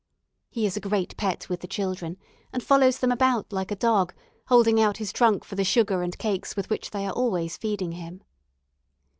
He is a great pet with the children, and follows them about like a dog, holding out his trunk for the sugar and cakes with which they are always feeding him.